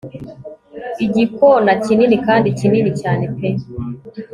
igikona kinini kandi kinini cyane pe